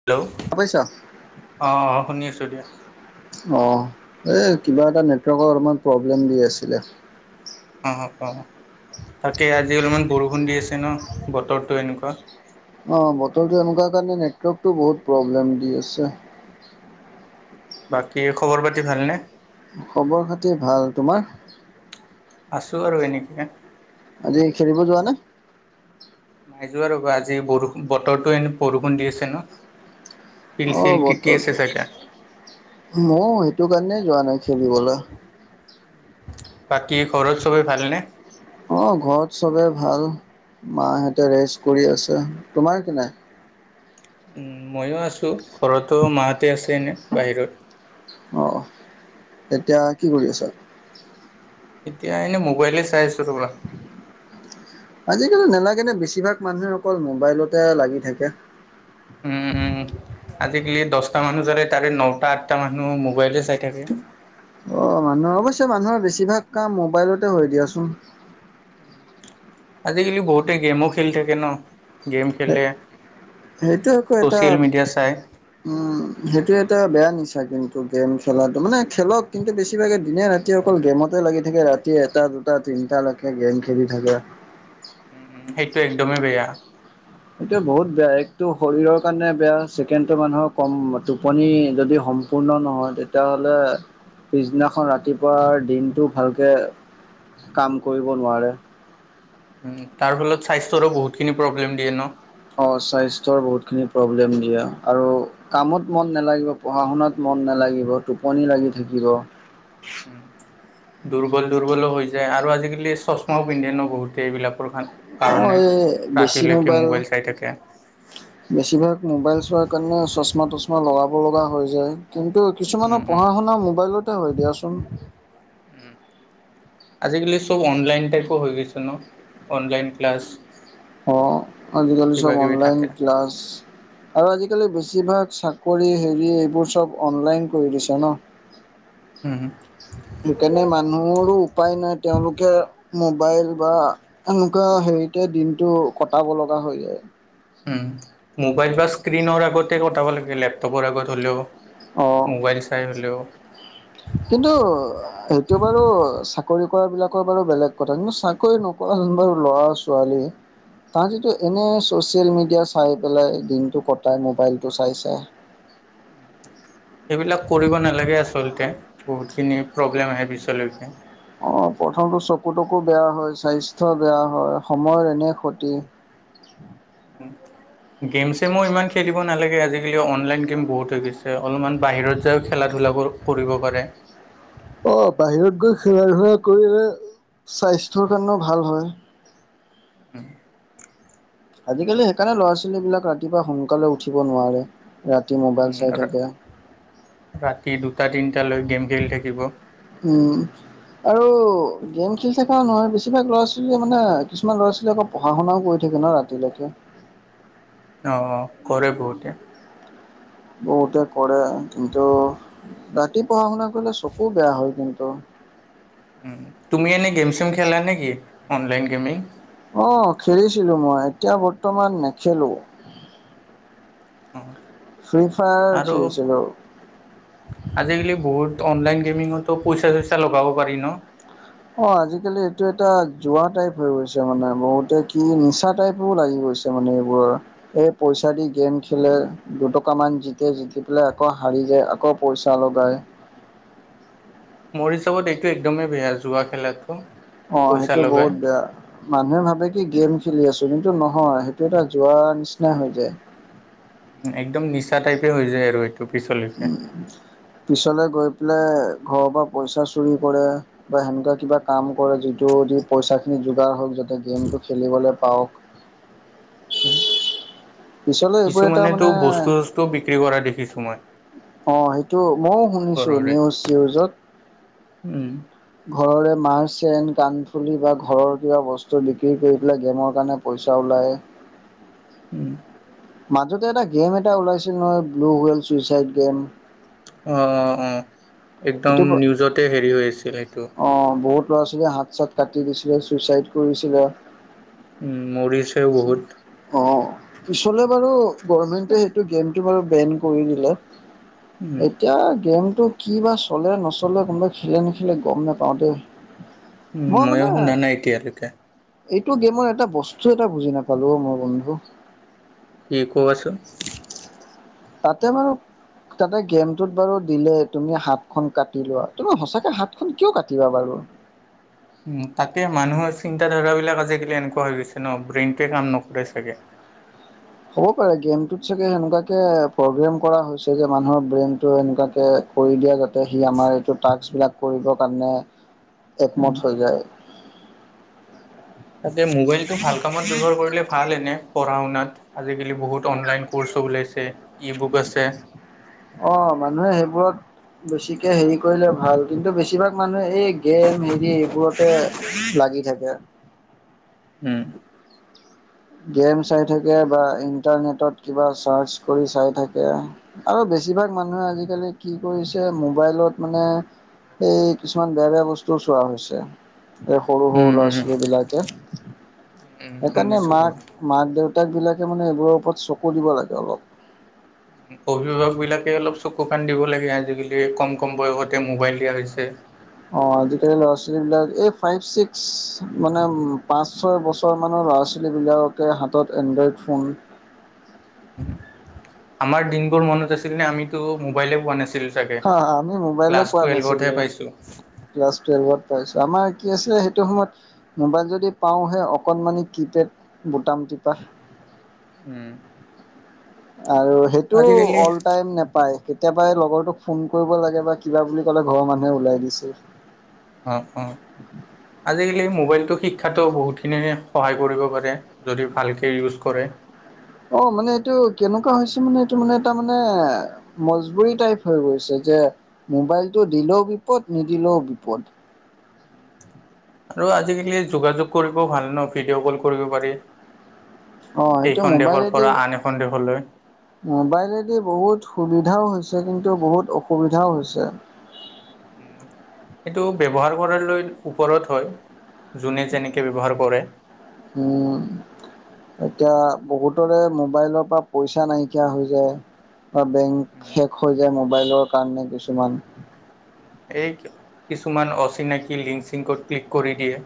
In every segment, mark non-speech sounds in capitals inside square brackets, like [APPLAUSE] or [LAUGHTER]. Hello পাইছা অ', অ', শুনি আছোঁ দিয়া। অ, এই কিবা এটা নেটৱৰ্কৰ অলমান প্ৰব্লেম দি আছিলে। অ', অ', তাকে আজি অলপমান বৰষুণ দি আছে ন, বতৰটো এনেকুৱা। অ, বতৰটো এনেকুৱা কাৰণে নেটৱৰ্কটো বহুত প্ৰব্লেম দি আছে। বাকী, খবৰ পাতি ভালনে। খবৰ খাতি ভাল, তোমাৰ? আছোঁ আৰু, এনেকে। আজি খেলিব যোৱা নে? নাই যোৱা ৰ'বা, আজি বৰষু বতৰো এন-বৰষুণ দি আছে ন। শিল চিল অ', তিতি আছে বতৰটো। চাগে ময়ো এইটো কাৰণে যোৱা নাই খেলিবলে। বাকী ঘৰত চবেই ভালনে? অ', ঘৰত চবে ভাল, মাহঁতে ৰেষ্ট কৰি আছে। তোমাৰ কেনে? উম, মইয়ো আছো ঘৰতো মাহঁতে আছে এনে বাহিৰত। অ'। এতিয়া কি কৰি আছা? এতিয়া এনে মোবাইলে চাই আছোঁ ৰবা। আজিকালি নেলাগেনে বেছিভাগ মানুহে অকল মোবাইলতে লাগি থাকে। উম, উম। আজিকালি দশটা মানুযৰে তাৰে নটা, আঠটা মানুহ মোবাইলে চাই থাকে। অ', মানুহ অৱশ্যে মানুহৰ বেছিভাগ কাম মোবাইলতে হয় দিয়াচোন। আজিকালি বহুতে গেমো খেলি থাকে ন, গেম খেলে সেইটোৱেতো এটা, ছ'চিয়েল মিডিয়া চাই উম। সেইটো এটা বেয়া নিচা কিন্তু গেম খেলাটো, মানে খেলক কিন্তু বেছিভাগে দিনে ৰা তি অকল গেমতে লাগি থাকে, ৰাতি এটা, দুটা, তিনটালৈকে গেম খেলি থাকে। উম, সেইটো একদমেই বেয়া। এইটোৱে বহুত বেয়া। একটো শৰীৰৰ কাৰণে বেয়া, ছেকেণ্ডটো মানুহৰ কম টোপনি যদি সম সম্পূৰ্ণ নহয়, তেতিয়াহ'লে পিছদিনাখন ৰাতিপুৱাৰ দিনটো ভালকে কাম কৰিব নোৱাৰে। তাৰ ফলত স্বাস্থ্যৰো বহুতখিনি প্ৰব্লেম দিয়ে ন? অ', স্বাস্থ্যৰ বহুতখিনি প্ৰব্লেম দিয়ে, আৰু কামত মন নেলাগিব, পঢ়া শুনাত মন নালাগিব, টোপনি লাগি থাকিব। দুৰ্বল দুৰ্বলো হৈ যায় আৰু আজিকালি চশমাও পিন্ধে ন বহুতে এইবিলাকৰ কাৰণে। অ', কাৰণে, এই বেছি ৰাতিলৈকে মোবাইল চাই থাকে। বেছিভাগ মোবাইল চোৱাৰ কাৰণে চশমা তশমা লগাব লগা হৈ যায়। কিন্তু উম, কিছুমানৰ উম, পঢ়া শুনা মোবাইলতে হয় দিয়াচোন। উম। আজিকালি চব অনলাইন টাইপো হৈ গৈছে ন, অনলাইন ক্লাছ। অ', আজিকালি কিবা চব কিবি অনলাইন থাকে ক্লাছ আৰু আজিকালি বেছিভাগ চাকৰি হেৰি এইবোৰ চব অনলাইন কৰি দিছে ন। হম, হম। সেইকাৰণে মানুহৰো উপায় নাই, তেওঁলোকে মোবাইল বা এনেকুৱা হেৰিতে দিনটো কটাব লগা হৈ যায়। উম, মোবাইল বা স্ক্ৰিনৰ আগতে কটাব লাগে লেপটপৰ আগত হ'লেও। অ', মোবাইল চাই হ'লেও। কিন্তু সেইটো বাৰু চাকৰি কৰা বিলাকৰ বাৰু বেলেগ কথা, কিন্তু চাকৰি ন কৰা জোনবোৰ বাৰু ল'ৰা ছোৱালী তাহাঁতেতো এনেই ছ'চিয়েল মিডিয়া চাই পেলাই দিনটো কটাই মোবাইলটো চাই চাই। সেইবিলাক কৰিব নালাগে আচলতে, বহুতখিনি প্ৰব্লেম আহে পিছলৈকে। অ', প্ৰথমটো চকু তকু বেয়া হয়, স্বাস্থ্য বেয়া হয়, সময়ৰ এনেই ক্ষতি। উম। গেম ছেমো ইমান খেলিব নালাগে আজিকালি অনলাইন গেম বহুত হৈ গৈছে। অলপমান বাহিৰত যাইয়ো খেলা ধূলা কৰ কৰিব পাৰে। অ', বাহিৰত গৈ খেলা ধূলা কৰিলে স্বাস্থ্যৰ কাৰণেও ভাল হয়। উম। আজিকালি সেইকাৰণে ল'ৰা ছোৱালীবিলাক ৰাতিপুৱা সোনকালে উঠিব নোৱাৰে ৰাতি উম, মোবাইল চাই থাকে। ৰাতি দুটা, তিনিটালৈ গেম খেলি থাকিব। উম আৰু গেম খেলি থকা নহয় বেছিভাগ ল'ৰা ছোৱালী কি মানে কিছুমান ল'ৰা ছোৱালী আকৌ পঢ়া শুনাও কৰি থাকে ন ৰাতিলৈকে। অ', কৰে বহুতে। বহুতে কৰে কিন্তু ৰাতি পঢ়া শুনা কৰিলে চকু বেয়া হয় কিন্তু। উম, তুমি এনেই গেম-চেম খেলা নেকি অনলাইন গেমিং? অ', খেলিছিলোঁ মই এতিয়া বৰ্তমান নেখেলোঁ। অ ফ্ৰী ফায়াৰ আৰু খেলিছিলোঁ। আজিকালি বহুত অনলাইন গেমিঙতো পইচা-চইচা লগাব পাৰি ন? অ', আজিকালি এইটো এটা যোৱা টাইপ হৈ গৈছে, মানে বহুতে কি নিচা টাইপো লাগি গৈছে। তাৰমানে এইবোৰৰ। এই পইচা দি গেম খেলে দুটকামান জিতে-জিতি পেলাই আকৌ হাৰি যায় আকৌ পইচা লগায়। মোৰ হিচাপত এইটো একদমেই বেয়া যোৱা খেলাটো। অ', পইচা সেইটো লগাই। বহুত বেয়া। মানুহে ভাবে কি গেম খেলি আছে কিন্তু নহয় সেইটো এটা যোৱাৰ নিচিনা হৈ যায়। একদম নিচা টাইপে হৈ যায় আৰু এইটো। পিছলৈকে। উম, পিছলৈ গৈ পেলাই ঘৰৰ পৰা পইচা চুৰি কৰে। বা সেনেকুৱা কিবা কাম কৰে যিটো দি পইচাখিনি যোগাৰ হওঁক যাতে গেমটো খেলিবলৈ পাওঁক। উম, পিছলৈ এইবোৰ এটা মানে কিছুমানেতো বস্তু-চস্তুও বিক্ৰী কৰা দেখিছোঁ মই। অ', সেইটো ময়ো শুনিছোঁ ঘৰৰে। নিউজ-চিউজত। উম ঘৰৰে মাৰ চেন, কাণফুলি বা ঘৰৰ কিবা বস্তু বিক্ৰী কৰি পেলাই গেমৰ কাৰণে পইচা ওলায়। উম। মাজতে এটা গেম এটা ওলাইছিল নহয় ব্লু হুৱেল ছুইচাইড গেম। অ', অ'একদম সেইটো নিউজতে হেৰি হৈ আছিল সেইটো। অ', বহুত ল'ৰা ছোৱালীয়ে হাত চাত কাটি দিছিলে ছুচাইড কৰিছিলে। উম, মৰিছেও বহুত। অ', পিছলে বাৰু গভমেণ্টে সেইটো গেমটো বাৰু বেন কৰি দিলে। উম এতিয়া গেমটো কিবা চলে-নচলে কোনোবাই খেলে নেখেলে গম নেপাওঁ দেই। উম, মই ময়ো মানে শুনা নাই এতিয়ালৈকে। এইটো গেমৰ এটা বস্তু এটা বুজি নাপালো অ', মই বন্ধু? কি কোৱাচোন? তাতে বাৰু তাতে গেমটোত বাৰু দিলে তুমি হাতখন কাটি লোৱা তুমি সঁচাকৈ হাতখন কিয় কাটিবা বাৰু। উম, তাতে মানুহৰ চিন্তাধাৰা বিলাক আজিকালি এনেকুৱা হৈ গৈছে ন ব্ৰেইনটোৱে কাম নকৰে চাগে। হ'ব পাৰে গেমটোত চাগে সেনেকুৱাকে প্ৰগ্ৰেম কৰা হৈছে যে মানুহৰ ব্ৰেইনটো এনেকুৱাকে কৰি দিয়ে যাতে সি আমাৰ এইটো টাস্কবিলাক কৰিবৰ কাৰণে একমত হৈ যায়। তাকে মোবাইলটো ভাল কামত ব্যৱহাৰ কৰিলে ভাল এনে পঢ়া শুনাত। আজিকালি বহুত অনলাইন ক'ৰ্চো ওলাইছে ই বুক আছে। অ', মানুহে সেইবোৰত বেছিকে হেৰি কৰিলে ভাল কিন্তু বেছিভাগ মানুহে এই গেম হেৰি এইবোৰতে লাগি থাকে। উম। গেম চাই থাকে, বা ইণ্টাৰনেটত কিবা চাৰ্চ কৰি চাই থাকে। আৰু বেছিভাগ মানুহে আজিকালি কি কৰিছে, মোবাইলত মানে, এই কিছুমান বেয়া বেয়া বস্তু চোৱা হৈছে। এই সৰু সৰু উম, ল'ৰা উম, ছোৱালী বিলাকে। উম, সেইকাৰণে শুনিছো বাৰু। মাক মাক দেউতাকবিলাকে মানে এইবোৰৰ ওপৰত চকু দিব লাগে অলপ। অভিভাৱক বিলাকে অলপ চকু কাণ দিব লাগে, আজিকালি কম কম বয়সতে মোবাইল দিয়া হৈছে। অ' আজিকালি ল'ৰা ছোৱালী বিলাক এই ফাইভ ছিক্স মানে পাঁচ ছয় বছৰ বছৰ মানৰ ল'ৰা ছোৱালীবিলাককে হাতত এনড্ৰইড ফোন, আমাৰ দিনবোৰ মনত আছিল নে? আমিতো মোবাইলে পোৱা নাছিলো। চাগে। হ আমি মোবাইলে ক্লাছ পোৱা টুৱেলভতহে নাছিলো। পাইছোঁ, ক্লাছ টুৱেলভত পাইছো। আমাৰ কি আছিলে সেইটো সময়ত? মোবাইল যদি পাওঁহে, অকণমানি কিপেড বুটাম টিপা। উম। আৰু সেইটোও আজিকালি অল টাইম নাপায়। কেতিয়াবা এই লগৰটোক ফোন কৰিব লাগে বা কিবা বুলি ক'লে ঘৰৰ মানুহে ওলাই দিছে। অঁ অঁ আজিকালি মোবাইলটো শিক্ষাতো বহুতখিনি সহায় কৰিব পাৰে। যদি ভালকে ইউজ কৰে। অ' মানে এইটো কেনেকুৱা হৈছে মানে, এইটো মানে তাৰ মানে, মজবুুৰী টাইপ হৈ গৈছে, যে মোবাইলটো দিলেও বিপদ নিদিলেও বিপদ। উম [UNINTELLIGIBLE] আৰু আজিকালি যোগাযোগ কৰিব ভাল ন, ভিডিঅ' কল কৰিব পাৰি। অ সেইটো এইখন দেশৰ মোবাইলেদি পৰা আন এখন দেশলৈ। মোবাইলেদি বহুত সুবিধাও হৈছে, কিন্তু বহুত অসুবিধাও হৈছে। সেইটো ব্যৱহাৰ কৰালৈ ওপৰত হয়, যোনে যেনেকৈ ব্যৱহাৰ কৰে। উম এতিয়া বহুতৰে মোবাইলৰ পৰা পইচা নাইকিয়া হৈ যায়। বা বেংক উম, শেষ হৈ যায়, মোবাইলৰ কাৰণে কিছুমান। এই কিছুমান অচিনাকি লিংক চিংকত ক্লিক কৰি দিয়ে।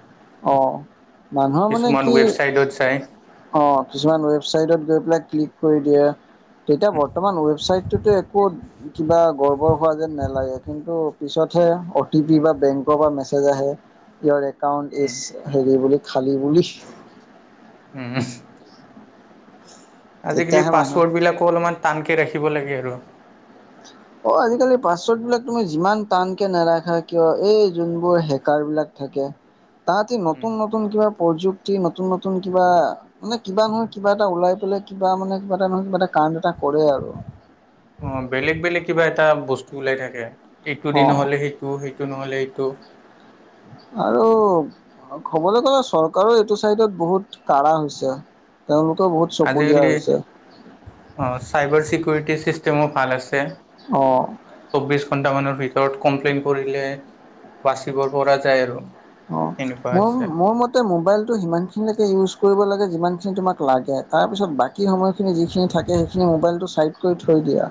অ' মানুহৰ মানে কিছুমান কি ৱেবছাইটত যায়। অ' কিছুমান ৱেবচাইটত গৈ পেলাই ক্লিক কৰি দিয়ে। তেতিয়া বৰ্তমান ৱেবচাইটটোতে একো কিবা গৰ্বৰ হোৱা যেন নালাগে, কিন্তু পিছতহে অ' টি পি বা বেংকৰ পৰা মেছেজ আহে। ইয়ৰ একাউণ্ট উম, ইজ হেৰি বুলি খালী বুলি। উম আজিকালি তেতিয়াহে মানুহ পাছৱৰ্ড বিলাকো অলপমান টানকে ৰাখিব লাগে আৰু। অ' আজিকালি পাছৱৰ্ড বিলাক তুমি যিমান টানকে নাৰাখা কিয়, এই যোনবোৰ হেকাৰ বিলাক থাকে। তাহাতি উম, নতুন নতুন কিবা প্ৰযুক্তি নতুন নতুন কিবা মানে কিবা নহয় কিবা এটা ওলাই পেলাই কিবা মানে কিবা এটা নহয় কিবা এটা কান্দ এটা কৰে আৰু। অ' বেলেগ বেলেগ কিবা এটা বস্তু ওলাই থাকে। এইটো দিন অ নহ'লে সেইটো সেইটো নহ'লে সেই টো, আৰু ক'বলৈ গ'লে চৰকাৰো এইটো চাইডত বহুত কাঢ়া হৈছে। তেওঁলোকেও বহুত চকু দিয়া আজিকালি হৈছে। অ' চাইবাৰ চিকিউৰিটি চিষ্টেমো ভাল আছে। অঁ চৌবিশ ঘণ্টামানৰ ভিতৰত কমপ্লেইন কৰিলে বাচিব পৰা যায় আৰু। অ এনেকুৱা মোৰ হৈছে। মোৰ মতে টো মোবাইলটো সিমানখিনিলৈকে ইউজ কৰিব লাগে, যিমানখিনি তোমাক লাগে। তাৰপিছত ব বাকী সময়খিনি যিখিনি থাকে সেইখিনি মোবাইলটো চাইড কৰি থৈ দিয়া।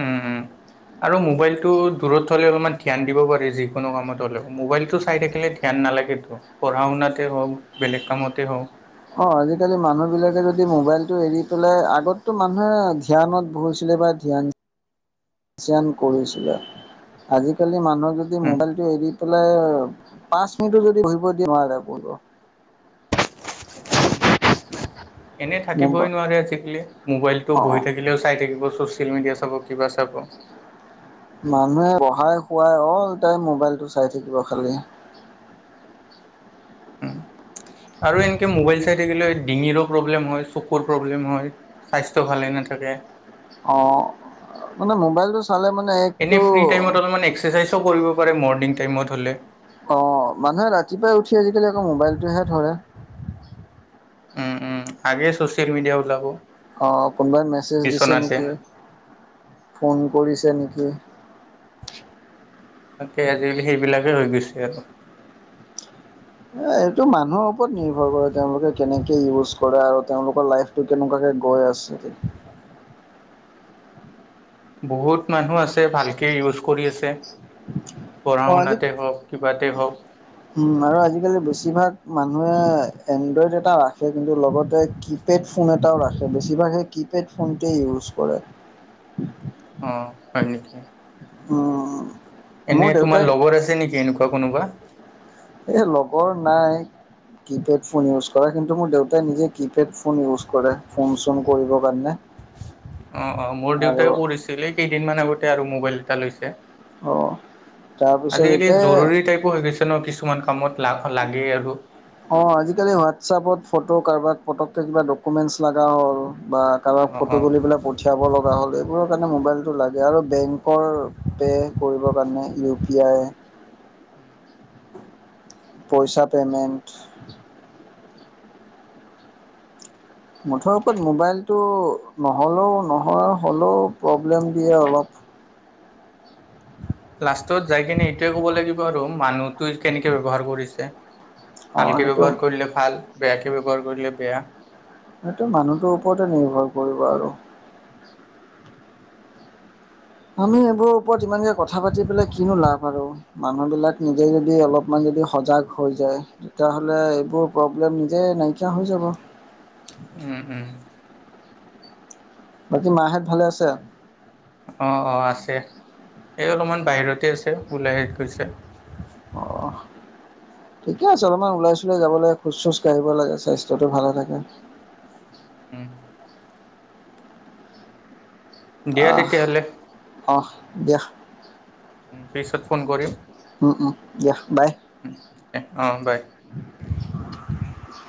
উম, উম। আৰু মোবাইলটো দূৰত থ'লে অলপমান ধ্যান দিব পাৰি যিকোনো কামত হ'লেও, মোবাইলটো চাই থাকিলে ধ্যান নালাগেটো, পঢ়া-শুনাতে হওক, বেলেগ কামতে হওক, অ আজিকালি মানুহবিলাকে যদি মোবাইলটো এৰি পেলাই আগতটো মানুহে ধ্যানত বহিচিলে বা ধ্যান [UNINTELLIGIBLE] কৰিছিলে। আজিকালি মানুহক যদি উম, মোবাইলটো এৰি পেলাই পাঁচ মিনিটো, যদি বহিব দিয়ে, নোৱাৰে বহিব। এনে থাকিবই মোবা নোৱাৰে আজিকালি, মোবাইলটো অ বহি থাকে লেও চাই থাকিব, ছচিয়েল মিডিয়া চাব, কিবা চাব। মানুহে পঢ়াই শুৱাই অল টাইম মোবাইলটো চাই থাকিব খালি। [UNINTELLIGIBLE] আৰু এনেকে মোবাইল চাই থাকিলে, ডিঙিৰো প্ৰব্লেম হয়, চকুৰ প্ৰব্লেম হয় স্বাস্থ্য ভালেই নাথাকে। অ' মানে মোবাইলটো চালে মানে এপটো এক্সাৰচাইজও কৰিব পাৰে, মৰ্ণিং টাইমত হ'লে। অ মানুহে ৰাতিপুৱাই উঠি আজিকালি আকৌ মোবাইলটোহে ধৰে। উম উম আগে চচিয়েল মিডিয়া ওলাব। অ কোনোবাই মেছেজ দিছে বিচনাতে নেকি, ফোন কৰিছে নেকি। তাকে, আজিকালি সেইবিলাকে হৈ গৈছে আৰু। এ এইটো মানুহৰ ওপৰত নিৰ্ভৰ কৰে, তেওঁলোকে কেনেকে ইউজ কৰে আৰু তেওঁলোকৰ লাইফ তো কেনেকুৱাকে গৈ আছে এতিয়া। বহুত মানুহ আছে ভালকে ইউজ কৰি আছে। অ আজি পঢ়া-শুনাতে হওক, কিবাতে হওক। উম আৰু আজিকালি বেছিভাগ মানুহে এণ্ড্ৰইড' এটা খে, কিন্তু লগতে কিপেড ফোন এটাও ৰাখে, বেছিভাগে কিপেড ফোনটোৱে ইউজ কৰে। অ। [UNINTELLIGIBLE] উম। মোৰ এনে দেউতাই তোমাৰ লগৰ আছে নেকি এনেকুৱা কোনোবা? এই লগৰ নাই কিপেড ফোন ইউজ কৰে, কিন্তু মোৰ দেউতাই নিজে কিপেড ফোন ইউজ কৰে, ফোন-চোন কৰিবৰ কাৰণে। [UNINTELLIGIBLE] অ অ মোৰ আৰু দেউতাও কৰিছিলে, কেইদিনমান আগতে আৰু মোবাইল এটা লৈছে। অহ তাৰপিছত আজিকালি ইয়াতে জৰুৰী হৈ টাইপো গৈছে ন, কিছুমান কামত লা-লাগেই আৰু। অ আজিকালি হোৱাটচাপত ফটো কাৰোবাক পটককৈ কিবা ডকুমেণ্টছ লগা হ'ল বা কাৰোবাক অ অ ফটো তুলি পেলাই পঠিয়াব লগা হ'লে এইবোৰৰ কাৰণে মোবাইলটো লাগে আৰু বেংক কৰ পে' কৰিবৰ কাৰণে, ইউ পি আই [INAUDIBLE] পইচা পেমেণ্ট। মুঠৰ ওপৰত মোবাইলটো নহ'লেও নহয়, হ'লেও প্ৰব্লেম দিয়ে অলপ। লাষ্টত যাই কিনে এইটোৱে ক'ব লাগিব আৰু মানুহটোৱে কেনেকে ব্যৱহাৰ কৰিছে। অ ভালকে সেইটো ব্যৱহাৰ কৰিলে ভাল, বেয়াকে ব্যৱহাৰ কৰিলে বেয়া। হেইটো মানুহটোৰ ওপৰতে নিৰ্ভৰ কৰিব আৰু। আমি এইবোৰৰ ওপৰত ইমানকৈ কথা পাতি পেলাই, কিনো লাভ আৰু। মানুহ বিলাক নিজে যদি অলপমান যদি সজাগ হৈ যায়। তেতিয়াহ'লে এইবোৰ প্ৰব্লেম নিজেই নাইকিয়া হৈ যাব। উম, উম। বাকী মা হেত ভালে আছে? অ', অ' আছে, এই অকমান বাহিৰতে আছে, ওলাই গৈছে। অহ, ঠিকে আছে অলপমান ওলাই চুলাই যাব লাগে খোজ চুজ কাঢ়িব লাগে, স্বাস্থ্যটো ভালে থাকে। উম দিয়া অহ তেতিয়াহ'লে আহ দিয়া। পিছত ফোন কৰিম। উম উম দিয়া বাই, এ অ বাই। [INAUDIBLE]